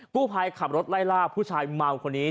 กู้ภัยขับรถไล่ล่าผู้ชายเมาคนนี้